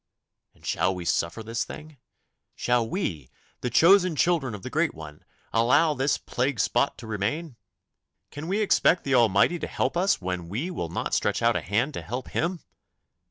And shall we suffer this thing? Shall we, the chosen children of the Great One, allow this plague spot to remain? Can we expect the Almighty to help us when we will not stretch out a hand to help Him?